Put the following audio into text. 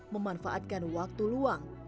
memanfaatkan waktu luang